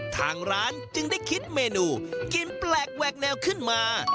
ทางร้านจึงได้คิดเมนูกินแปลกแวกแนวขึ้นมา